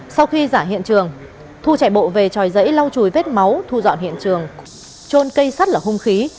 sau khi giả hiện trường thu chạy bộ về tròi giấy lau chùi vết máu thu dọn hiện trường trôn cây sắt là hung khí